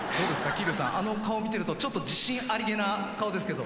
桐生さんあの顔見てるとちょっと自信あり気な顔ですけど。